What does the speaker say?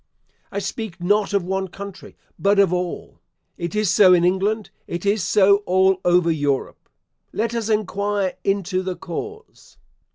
I speak not of one country, but of all. It is so in England, it is so all over Europe. Let us enquire into the cause.